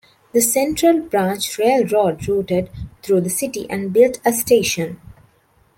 The Central Branch Railroad routed through the city and built a station.